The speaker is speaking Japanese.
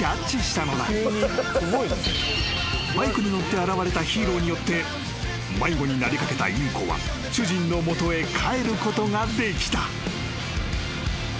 ［バイクに乗って現れたヒーローによって迷子になりかけたインコは主人の元へ帰ることができた］